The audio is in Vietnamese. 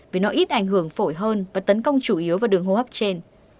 vì nó ít ảnh hưởng phổi hơn và tấn công chủ yếu vào đường hô hấp trên